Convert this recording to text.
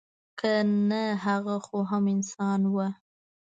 که نه هغه خو هم انسان وه.